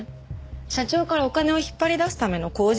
社長からお金を引っ張り出すための口実です。